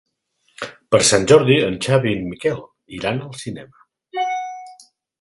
Per Sant Jordi en Xavi i en Miquel iran al cinema.